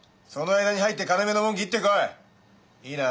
その間に入って金目のもんギってこい。